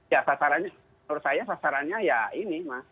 ya sasarannya menurut saya sasarannya ya ini mas